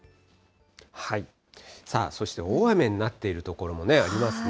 そして大雨になっている所もありますね。